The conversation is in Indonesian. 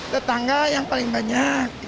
tetangga yang paling banyak